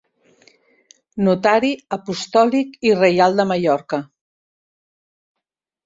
Notari apostòlic i reial de Mallorca.